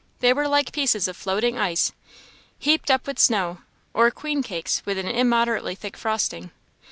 They were like pieces of floating ice, heaped up with snow, or queen cakes with an immoderately thick frosting.